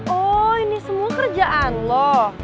oh ini semua kerjaan loh